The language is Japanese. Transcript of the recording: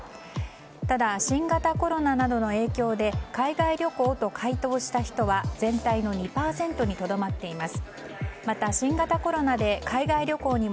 ただ、新型コロナなどの影響で海外旅行と回答した人は全体の２％にとどまっています。